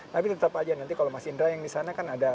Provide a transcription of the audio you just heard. tapi tetap aja nanti kalau mas indra yang di sana kan ada